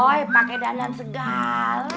oh pakai dandan segala